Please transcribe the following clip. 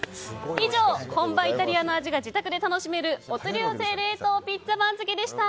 以上、本場イタリアの味がおうちで楽しめるお取り寄せ冷凍ピッツァ番付でした。